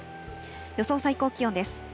予想最高気温です。